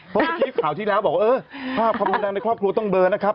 เป็นที่ข่าวที่แล้วบอกว่าภาพความฟันดังในครอบครูต้องเบอร์นะครับ